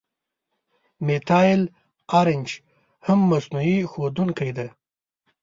میتایل آرنج هم مصنوعي ښودونکی دی.